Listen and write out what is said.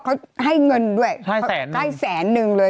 เขาให้เงินด้วยใกล้แสนนึงเลย